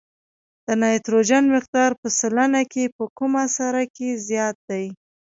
د نایتروجن مقدار په سلنه کې په کومه سره کې زیات دی؟